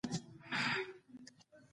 موږ پوه شوو چې کار په خپله توکی نه دی